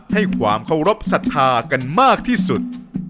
ให้ความเคารพสัทธากันมากที่สุด